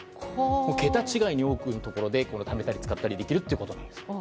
桁違いに、多くのところでためたり使ったりできるということなんです。